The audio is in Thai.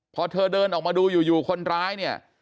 พอเธอเดินออกมาดูอยู่คนร้ายเนี่ย